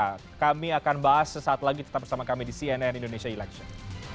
nah kami akan bahas sesaat lagi tetap bersama kami di cnn indonesia election